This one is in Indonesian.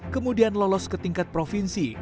kemudian lolos ke tingkat provinsi